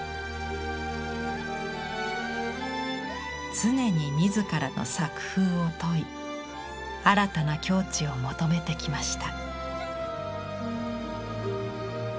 常に自らの作風を問い新たな境地を求めてきました。